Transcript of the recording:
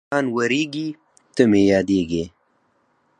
باران ورېږي، ته مې یادېږې